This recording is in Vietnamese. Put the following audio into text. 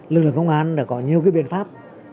lực lượng công an đã có nhiều biện pháp